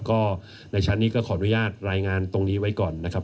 ก็ในชั้นนี้ก็ขออนุญาตรายงานตรงนี้ไว้ก่อนนะครับ